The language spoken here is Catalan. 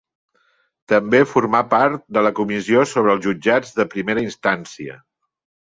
També formà part de la comissió sobre els Jutjats de Primera Instància.